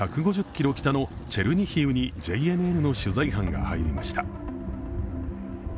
北のチェルニヒウにＪＮＮの取材班が入りました。